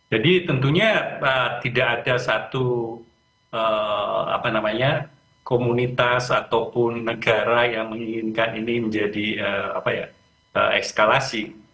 jadi tentunya tidak ada satu komunitas ataupun negara yang menginginkan ini menjadi eskalasi